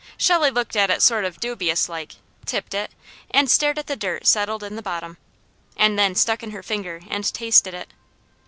Shelley looked at it sort of dubious like, tipped it, and stared at the dirt settled in the bottom, and then stuck in her finger and tasted it.